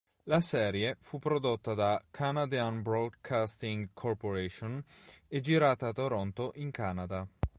La serie fu prodotta da Canadian Broadcasting Corporation e girata a Toronto in Canada.